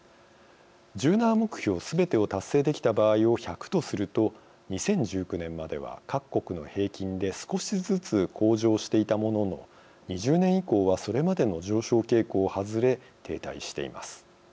１７目標すべてを達成できた場合を１００とすると２０１９年までは各国の平均で少しずつ向上していたものの２０年以降は、それまでの上昇傾向を外れ、停滞しています。